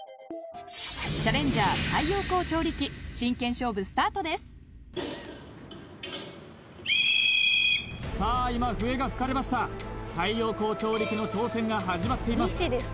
チャレンジャー太陽光調理器さあ今笛が吹かれました太陽光調理器の挑戦が始まっています